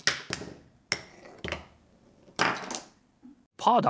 パーだ！